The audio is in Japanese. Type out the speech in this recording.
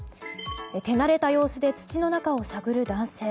手慣れた様子で土の中を探る男性。